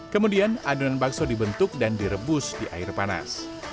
kemudian adonan bakso dibentuk dan direbus di air panas